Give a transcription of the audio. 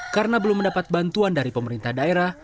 karena belum mendapat bantuan dari pemerintah daerah